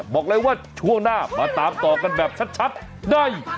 บอกเลยว่าช่วงหน้ามาตามต่อกันแบบชัดได้